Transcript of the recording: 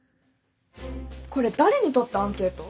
これ誰にとったアンケート？